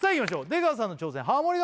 出川さんの挑戦ハモリ